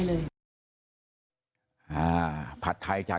อร่อยดีอร่อยดีอร่อยดีอร่อยดี